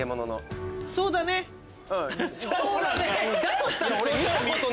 だとしたら。